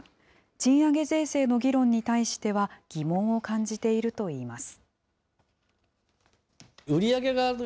賃上げ税制の議論に対しては、疑問を感じているといいます。